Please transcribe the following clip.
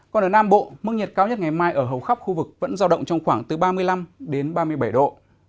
còn ở nam bộ mức nhiệt cao nhất ngày mai ở hầu khắp khu vực vẫn giao động trong khoảng từ ba mươi năm đến ba mươi bảy độ